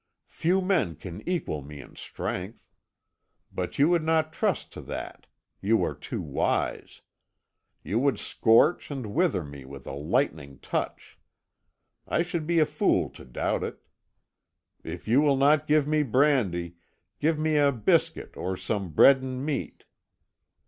Few men can equal me in strength. But you would not trust to that; you are too wise. You would scorch and wither me with a lightning touch. I should be a fool to doubt it. If you will not give me brandy, give me a biscuit or some bread and meat.